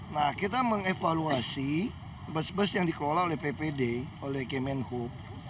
nah kita mengevaluasi bus bus yang dikelola oleh ppd oleh kemenhub